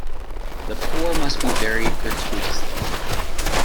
The poor must be buried gratuitously.